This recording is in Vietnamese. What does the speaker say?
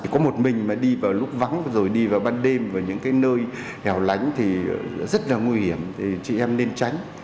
có một mình mà đi vào lúc vắng rồi đi vào ban đêm và những nơi hẻo lánh thì rất là nguy hiểm thì chị em nên tránh